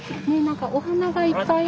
お花がいっぱい。